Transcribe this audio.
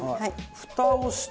フタをして。